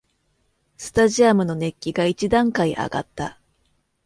スタジアムの熱気が一段階あがった